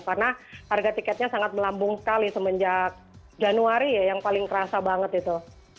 karena harga tiketnya sangat melambung sekali semenjak januari yang paling terasa banget itu